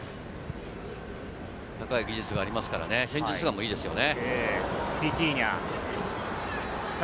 高い技術がありますからね、戦術眼もいいですよね。